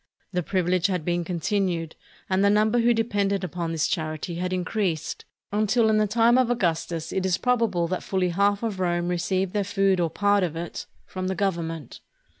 The privilege had been continued, and the number who depended upon this charity had 395 ROME increased until in the time of Augustus it is probable that fully half of Rome received their food or part of it from the Government.